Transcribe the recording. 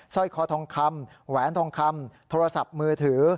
ร้อยคอทองคำแหวนทองคำโทรศัพท์มือถือ